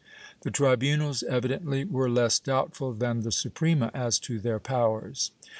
^ The tribunals evidently were less doubtful than the Suprema as to their powers.